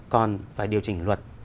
còn phải điều chỉnh luật